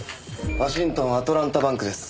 ワシントン・アトランタ・バンクです。